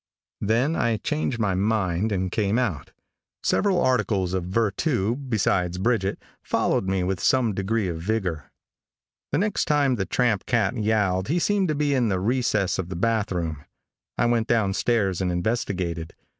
Then I changed my mind and came out. Several articles of vertu, beside Bridget, followed me with some degree of vigor. The next time the tramp cat yowled he seemed to be in the recesses of the bath room. I went down stairs and investigated.